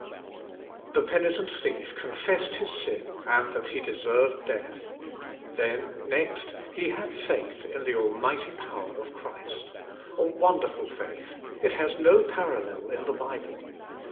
The penitent thief confessed his sin, and that he deserved death. Then, next, he had faith in the almighty power of Christ. A wonderful faith. It has no parallel in the Bible.